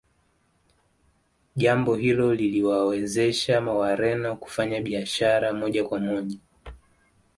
Jambo hilo liliwawezesha Wareno kufanya biashara moja kwa moja